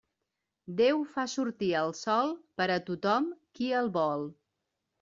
Déu fa sortir el sol per a tothom qui el vol.